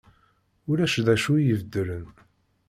Ulac d acu i ibeddlen.